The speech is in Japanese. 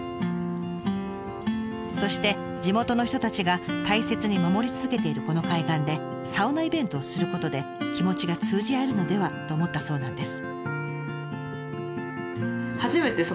そして地元の人たちが大切に守り続けているこの海岸でサウナイベントをすることで気持ちが通じ合えるのではと思ったそうなんです。